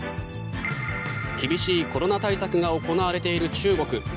厳しいコロナ対策が行われている中国。